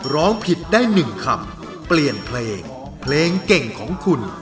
ร้องผิดได้๑คำเปลี่ยนเพลงเพลงเก่งของคุณ